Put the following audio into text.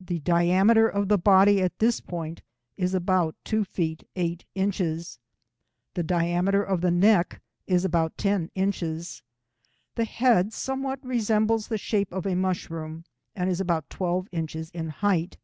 The diameter of the body at this point is about 2 ft. 8 in. The diameter of the neck is about 10 inches. The head somewhat resembles the shape of a mushroom, and is about 12 inches in height.